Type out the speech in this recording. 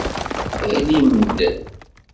Alim-d!